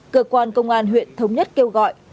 cơ quan công an huyện thống nhất kêu gọi